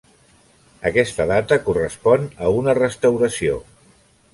Aquesta data correspon a una restauració.